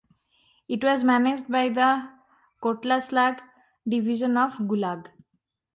It was managed by the Kotlaslag division of Gulag.